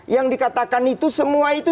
yang dikatakan itu semua itu